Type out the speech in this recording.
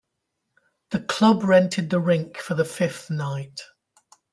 The club rented the rink for the fifth night.